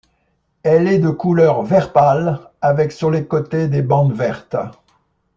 Elle est de couleur vert pâle avec sur les côtés des bandes vertes.